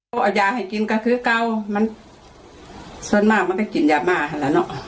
เอายาให้กินก็คือเก่ามันส่วนมากมันก็กินยามากเท่านั้นเนาะ